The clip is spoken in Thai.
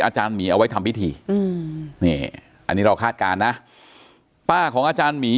อาจารย์หมีเอาไว้ทำพิธีอืมนี่อันนี้เราคาดการณ์นะป้าของอาจารย์หมี